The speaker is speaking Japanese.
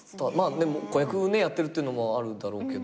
でも子役やってるっていうのもあるだろうけど。